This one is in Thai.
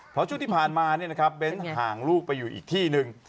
เพราะช่วงที่ผ่านมาเบ้นห่างลูกไปอยู่อีกที่หนึ่ง